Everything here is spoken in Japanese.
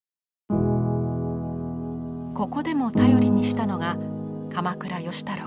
ここでも頼りにしたのが鎌倉芳太郎。